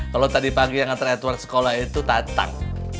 kalau tadi pagi yang antara edward sekolah itu tatang